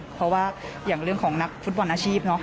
เพราะว่าอย่างเรื่องของนักฟุตบอลอาชีพ